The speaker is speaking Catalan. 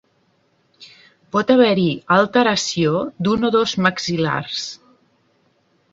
Pot haver-hi alteració d'un o dos maxil·lars.